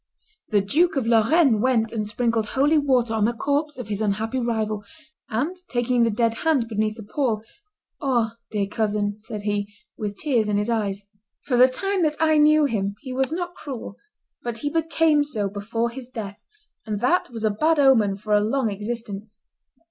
The Duke of Lorraine went and sprinkled holy water on the corpse of his unhappy rival, and, taking the dead hand beneath the pall, "Ah! dear cousin," said he, with tears in his eyes. For the time that I knew him he was not cruel; but he became so before his death, and that was a bad omen for a long existence.